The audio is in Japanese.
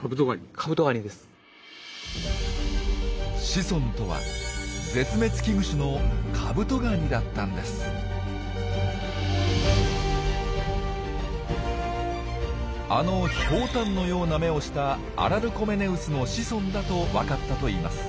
子孫とはあのひょうたんのような眼をしたアラルコメネウスの子孫だと分かったといいます。